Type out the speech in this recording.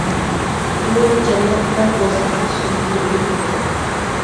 ئۇ جەننەت بىلەن دوزاخنىڭ سۈرىتىنى ئېلىپ كېلىدۇ.